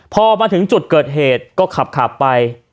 พอมาถึงจุดเกิดเหตุก็ขับไป